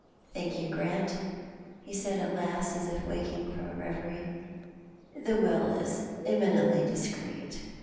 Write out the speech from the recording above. " Thank you. Grant," he said at last, as if waking from a reverie. " The will is eminently discreet.